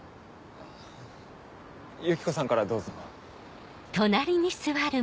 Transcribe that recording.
ユキコさんからどうぞ。